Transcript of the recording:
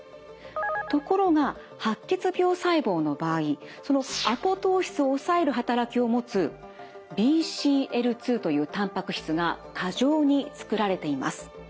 ところが白血病細胞の場合そのアポトーシスを抑える働きを持つＢＣＬ２というたんぱく質が過剰につくられています。